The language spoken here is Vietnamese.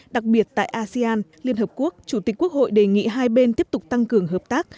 đặc biệt tại asean liên hợp quốc chủ tịch quốc hội đề nghị hai bên tiếp tục tăng cường hợp tác